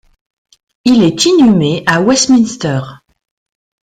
Il est inhumé à Westminster.